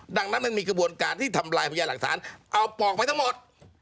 ดังนั้นมันมีกระบวนการที่ทำลายพญาหลักฐานเอาปอกไปทั้งหมด